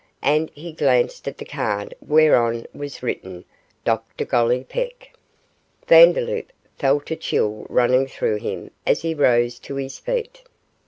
and he glanced at the card, whereon was written 'Dr Gollipeck'. Vandeloup felt a chill running through him as he rose to his feet.